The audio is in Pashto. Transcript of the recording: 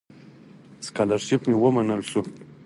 سکالرشیپ مې ومنل شو.